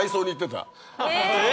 え！